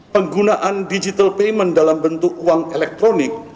penggunaan digital payment dalam bentuk uang elektronik